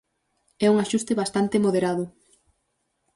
É un axuste bastante moderado.